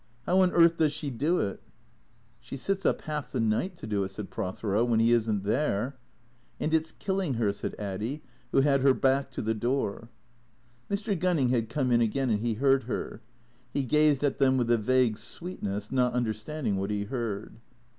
How on earth does she do it ?"" She sits up half the night to do it," said Prothero ;" when he is n't there." " And it 's killing her," said Addy, who had her back to the door. Mr. Gunning had come in again and he heard her. He gazed at them with a vague sweetness, not understanding what he heard.